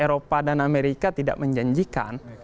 eropa dan amerika tidak menjanjikan